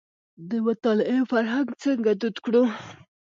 د مطالعې فرهنګ څنګه دود کړو.